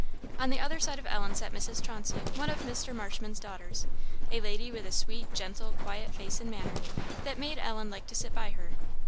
On the other side of Ellen sat Mrs. Chauncey, one of Mr. Marshman's daughters; a lady with a sweet, gentle, quiet face and manner, that made Ellen like to sit by her.